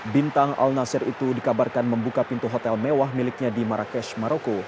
bintang al nasir itu dikabarkan membuka pintu hotel mewah miliknya di marrakesh maroko